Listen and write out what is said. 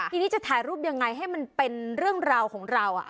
ทีนี้จะถ่ายรูปยังไงให้มันเป็นเรื่องราวของเรา